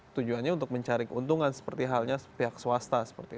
tujuannya untuk mencari keuntungan seperti halnya pihak swasta